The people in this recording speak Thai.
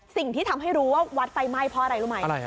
สิ่งที่ทำให้รู้ว่าวัดไฟไหม้เพราะอะไรรู้ไหม